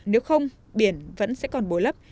nếu không biển vẫn sẽ còn bồi lấp